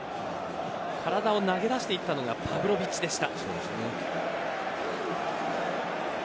体を投げ出していったのがパヴロヴィッチでした。